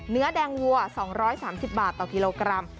เนื้อแดงวัว๒๓๐บาทต่อกิโลกรัม